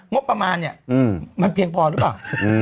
งบประมาณเนี่ยมันเพียงพอหรือเปล่า